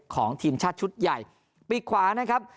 ของทีมชาติชุดใหญ่ปีกขวานะครับ